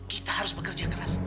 kita harus bekerja keras